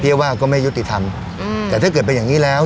ว่าก็ไม่ยุติธรรมแต่ถ้าเกิดเป็นอย่างนี้แล้ว